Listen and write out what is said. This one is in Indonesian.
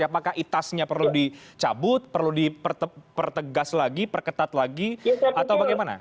apakah itasnya perlu dicabut perlu dipertegas lagi perketat lagi atau bagaimana